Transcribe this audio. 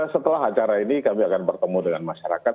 setelah acara ini kami akan bertemu dengan masyarakat